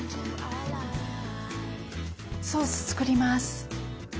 ソース作ります。